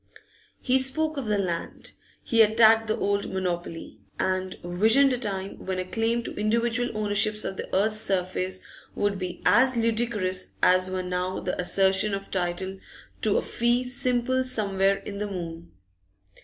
He spoke of the land; he attacked the old monopoly, and visioned a time when a claim to individual ownerships of the earth's surface would be as ludicrous as were now the assertion of title to a fee simple somewhere in the moon.